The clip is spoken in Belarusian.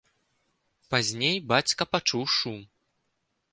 Пазней бацька пачуў шум.